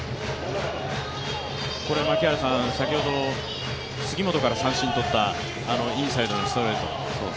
これは先ほど、杉本から三振を取ったインサイドのストレート。